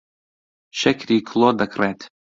شەکری کڵۆ دەکڕێت.